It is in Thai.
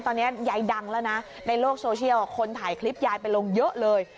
ตอนนี้ยายดังแล้วนะในโลกโซเชียลคนถ่ายคลิปยายไปลงเยอะเลย